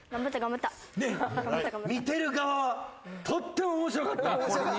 見てる側はとっても面白かった。